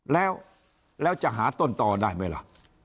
แล้วจะหาต้นต่อได้ไหมล่ะ